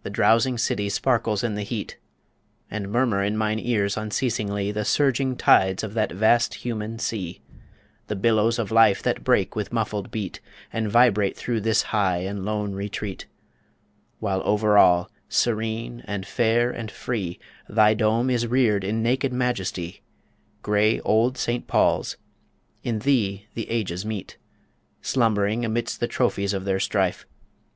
_) The drowsing city sparkles in the heat, And murmur in mine ears unceasingly The surging tides of that vast human sea The billows of life that break with muffled beat And vibrate through this high and lone retreat; While over all, serene, and fair, and free, Thy dome is reared in naked majesty Grey, old St Paul's ... In thee the Ages meet, Slumbering amidst the trophies of their strife.